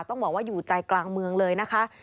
ต้องบอกว่าอยู่ใจกลางเมืองเลยนะคะ